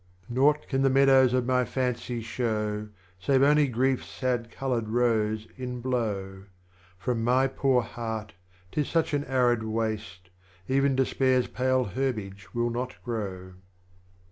30. Nought can the Meadows of my Fancy show Save only Grief's sad coloured Rose in bloAv, From my poor Heart, 'tis such an Arid waste. Even Despair's pale Herbage will not grow.